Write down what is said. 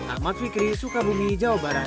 ahmad fikri sukabumi jawa barat